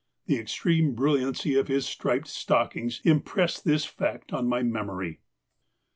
The extreme brilliancy of his striped stockings impressed this fact on my memory.